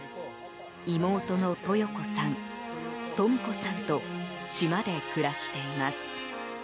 妹のトヨコさん、トミコさんと島で暮らしています。